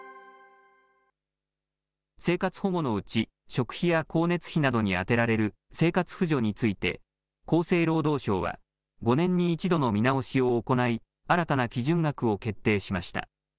生活保護のうち、食費や光熱費などに充てられる生活扶助について、厚生労働省は５年に１度の見直しを行い、新たな基準額を決定しました。